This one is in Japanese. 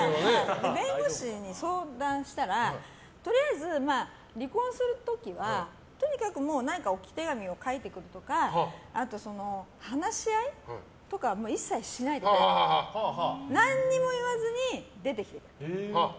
弁護士に相談したらとりあえず離婚する時はとにかく置き手紙を書いてくるとかあと話し合いとかは一切しないで何も言わずに出てきてくれと。